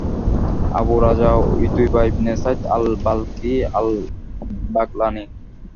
Abu Raja Utaiba ibn Said al-Balkhi আল-বাগলানি